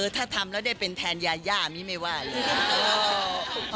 ถ้าทำแล้วได้เป็นแทนยามีไม่ว่าหรือ